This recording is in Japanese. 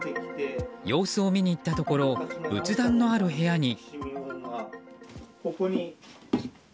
様子を見に行ったところ仏壇のある部屋に。